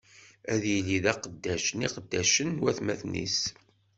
Ad yili d aqeddac n iqeddacen n watmaten-is!